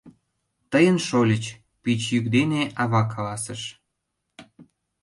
— Тыйын шольыч, — пич йӱк дене ава каласыш.